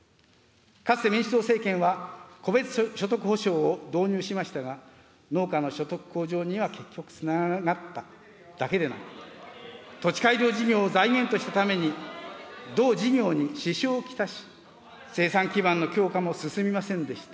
かつて民主党政権は、戸別所得補償を導入しましたが、農家の所得向上には結局つながらなかっただけでなく、土地改良事業を財源としたために、同事業に支障を来し、生産基盤の強化も進みませんでした。